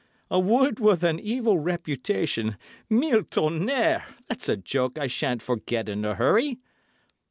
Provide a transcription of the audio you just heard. A wood with an evil reputation, mille tonnerres,—that's a joke I shan't forget in a hurry.